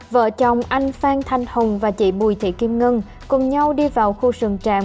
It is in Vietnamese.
vợ chồng anh phan thanh hồng và chị bùi thị kim ngân cùng nhau đi vào khu rừng tràm